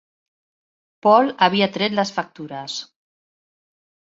Paul havia tret les factures.